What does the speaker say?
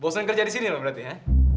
bosan kerja disini loh berarti ya